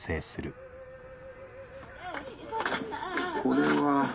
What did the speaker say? これは？